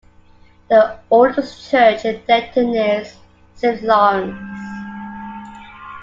The oldest church in Denton is Saint Lawrence's.